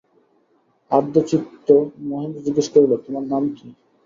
আর্দ্রচিত্ত মহেন্দ্র জিজ্ঞাসা করিল, তোমার নাম কী।